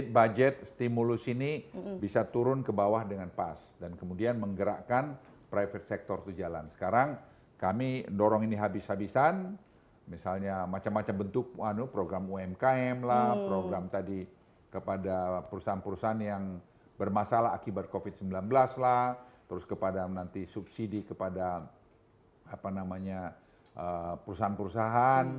bank himbara semua harus sudah